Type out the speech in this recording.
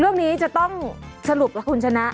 เรื่องนี้จะต้องสรุปกับคุณชนะ